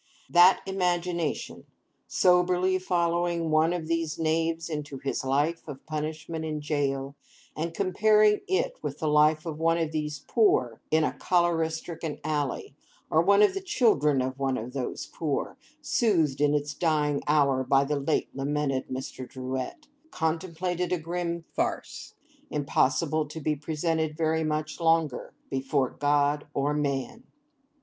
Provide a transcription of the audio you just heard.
That imagination,—soberly following one of these knaves into his life of punishment in jail, and comparing it with the life of one of these poor in a cholera stricken alley, or one of the children of one of these poor, soothed in its dying hour by the late lamented Mr. Drouet,—contemplated a grim farce, impossible to be presented very much longer before God or man.